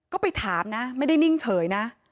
ก็ไปถามนะไม่ได้นิ่งเฉยนะ